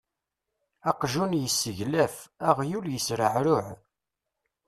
Aqjun yesseglaf, aɣyul yesreɛruɛ.